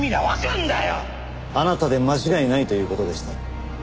あなたで間違いないという事でした。